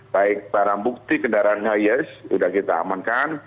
baik para bukti kendaraannya yes sudah kita amankan